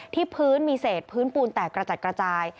พื้นมีเศษพื้นปูนแตกกระจัดกระจาย